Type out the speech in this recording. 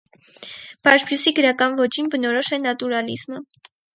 Բարբյուսի գրական ոճին բնորոշ է նատուրալիզմը։